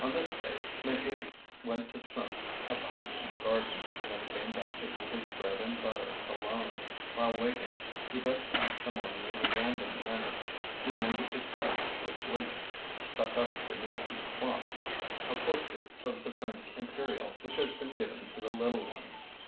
On this day Maheu went to smoke a pipe in the garden, and then came back to eat his bread and butter alone, while waiting. He thus passed the morning in a random manner; he mended the tub, which leaked; stuck up beneath the clock a portrait of the prince imperial which had been given to the little ones.